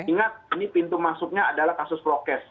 ingat ini pintu masuknya adalah kasus prokes